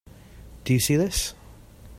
Do you see this?